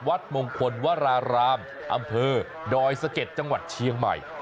วัดมงคลวรารามอำเภอดอยสะเก็ดจังหวัดเชียงใหม่